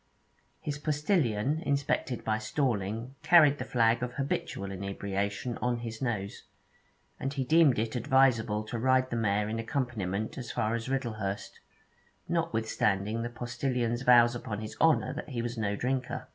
His postillion, inspected at Storling, carried the flag of habitual inebriation on his nose, and he deemed it adviseable to ride the mare in accompaniment as far as Riddlehurst, notwithstanding the postillion's vows upon his honour that he was no drinker.